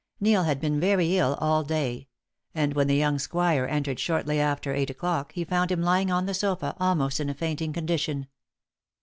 Neil had been very ill all day; and when the young squire entered shortly after eight o'clock, he found him lying on the sofa almost in a fainting condition.